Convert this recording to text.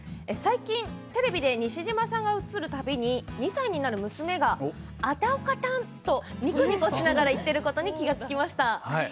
最近、テレビで西島さんが映るたびに２歳になる娘が、あたおかたんとにこにこしながら言ってることに気が付きました。